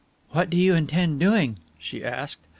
"What do you intend doing?" she asked.